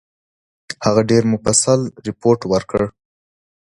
هغه ډېر مفصل رپوټ ورکړ.